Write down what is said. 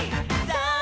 さあ